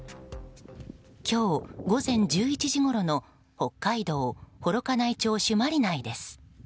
今日午前１０時ごろの北海道幌加内町朱鞠内です。